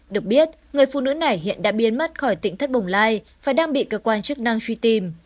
được biết người phụ nữ này hiện đã biến mất khỏi tỉnh thất bồng lai và đang bị cơ quan chức năng truy tìm